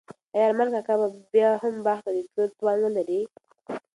آیا ارمان کاکا به بیا هم باغ ته د تلو توان ولري؟